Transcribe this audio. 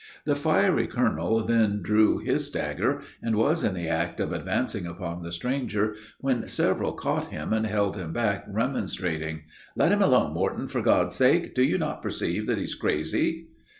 The fiery colonel then drew his dagger, and was in the act of advancing upon the stranger, when several caught him and held him back, remonstrating. "Let him alone, Morton, for God's sake. Do you not perceive that he is crazy?"